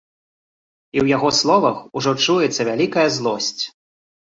І ў яго словах ужо чуецца вялікая злосць.